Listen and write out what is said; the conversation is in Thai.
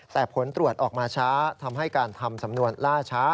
แต่ผลตรวจออกมาช้าทำให้การทำสำนวนล่าช้า